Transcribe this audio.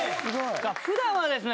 普段はですね